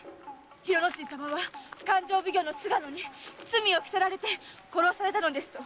“広之進様は勘定奉行の菅野に罪を着せられて殺されたのです”と。